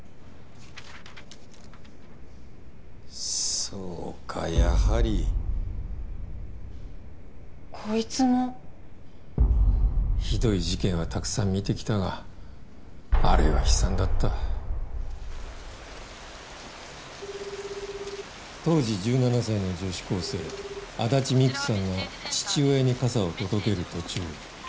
そうかやはりこいつもひどい事件はたくさん見てきたがあれは悲惨だった当時１７歳の女子高生安達未来さんが父親に傘を届ける途中